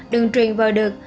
đường truyền vào được